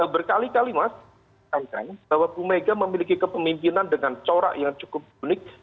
berkali kali mas saya ingin bahwa bumega memiliki kepemimpinan dengan corak yang cukup unik